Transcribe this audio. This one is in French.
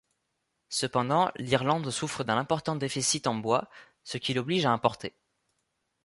Cependant, l’Irlande souffre d’un important déficit en bois, ce qui l’oblige à importer.